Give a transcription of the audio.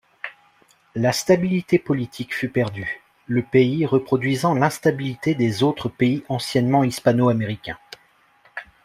La stabilité politique fut perdue, le pays reproduisant l'instabilité des autres pays anciennement hispano-américains.